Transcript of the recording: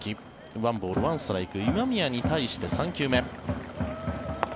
１ボール１ストライク今宮に対して３球目。